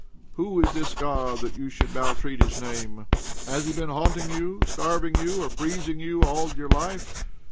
Who is this God that you should maltreat his name? Has he been haunting you, starving you, or freezing you all your life?